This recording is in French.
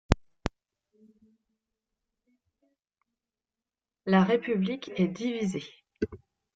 La République est divisée.